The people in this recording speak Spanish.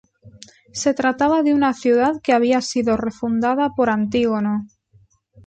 Se trataba de una ciudad que había sido refundada por Antígono.